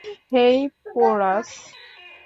হেই, porous!